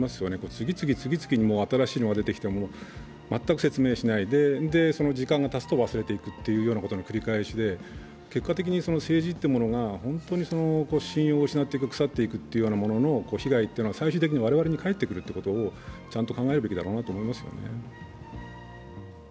次々次々に新しいのが出てきて全く説明しない、時間がたつと忘れていくというようなことの繰り返しで、結果的に政治というものが本当に信用を失っていく、腐っていくというものの被害は最終的に我々に返ってくるということをちゃんと考えるべきだろうなと思いますよね。